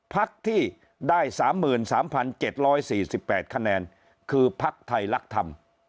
ภักดิ์ที่ได้๓๓๗๔๘คะแนนคือภักดิ์ไทยรักษ์ธรรม